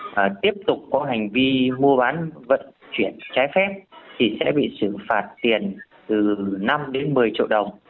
và tiếp tục có hành vi mua bán vận chuyển trái phép thì sẽ bị xử phạt tiền từ năm đến một mươi triệu đồng